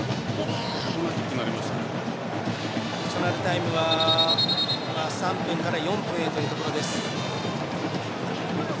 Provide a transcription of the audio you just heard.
アディショナルタイムは３分から４分というところ。